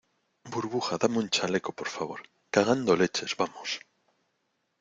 burbuja, dame un chaleco , por favor. cagando leches , vamos .